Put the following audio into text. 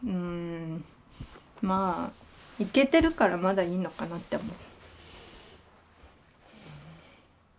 まあ行けてるからまだいいのかなって思う。